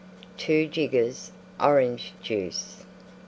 2 jiggers Orange Juice.